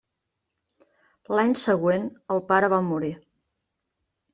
L'any següent, el seu pare va morir.